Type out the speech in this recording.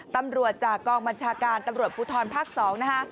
ตำรวจจากกองบัญชาการตำรวจภูทรภาค๒นะคะ